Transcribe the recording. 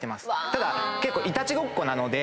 ただ結構いたちごっこなので。